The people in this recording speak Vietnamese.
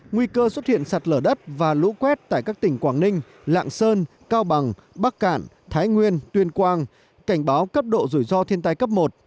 nguy cơ xuất hiện sạt lở đất và lũ quét tại các tỉnh quảng ninh lạng sơn cao bằng bắc cạn thái nguyên tuyên quang cảnh báo cấp độ rủi ro thiên tai cấp một